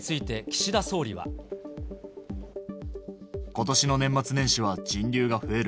ことしの年末年始は人流が増える。